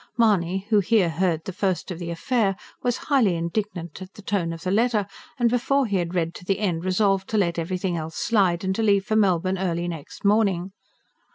Mahony, who here heard the first of the affair, was highly indignant at the tone of the letter; and before he had read to the end resolved to let everything else slide, and to leave for Melbourne early next morning.